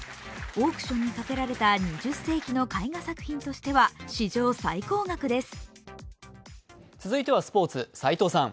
オークションにかけられた２０世紀の絵画作品としては史上最高額です。